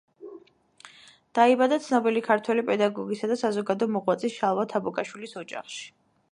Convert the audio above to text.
დაიბადა ცნობილი ქართველი პედაგოგისა და საზოგადო მოღვაწის შალვა თაბუკაშვილის ოჯახში.